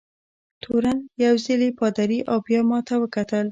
تورن یو ځلي پادري او بیا ما ته وکتل.